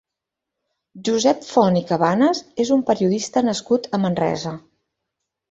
Josep Font i Cabanes és un periodista nascut a Manresa.